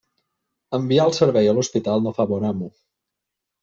Enviar el servei a l'hospital no fa bon amo.